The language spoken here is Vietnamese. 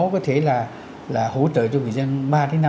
có thể là hỗ trợ cho người dân